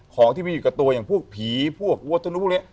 ของที่มีอยู่กับตัวอย่างพวกผีพวกวัตนุพวกนี้